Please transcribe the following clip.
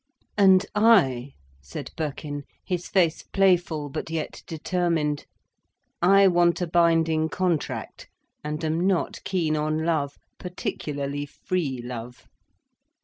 "And I," said Birkin, his face playful but yet determined, "I want a binding contract, and am not keen on love, particularly free love."